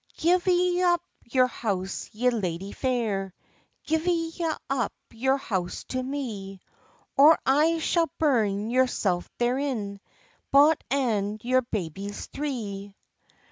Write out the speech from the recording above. "Gi'e up your house, ye ladye fair, Gi'e up your house to me; Or I shall burn yoursel' therein, Bot and your babies three."